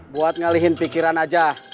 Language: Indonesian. buat ngelihin pikiran aja